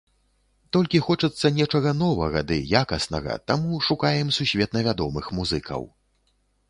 Толькі хочацца нечага новага ды якаснага, таму шукаем сусветна вядомых музыкаў.